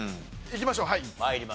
いきましょうはい。